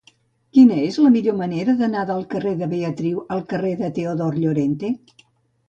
Quina és la millor manera d'anar del carrer de Beatriu al carrer de Teodor Llorente?